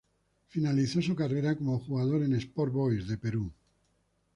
Finalizó su carrera como jugador en Sport Boys de Perú.